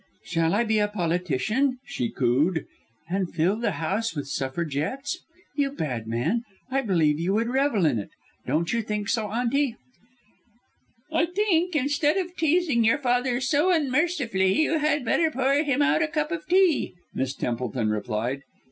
"Shall I be a politician?" she cooed, "and fill the house with suffragettes? You bad man, I believe you would revel in it. Don't you think so, Auntie?" "I think, instead of teasing your father so unmercifully, you had better pour him out a cup of tea," Miss Templeton replied.